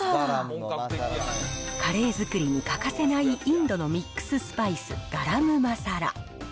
カレー作りに欠かせないインドのミックススパイス、ガラムマサラ。